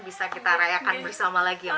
bisa kita rayakan bersama lagi ya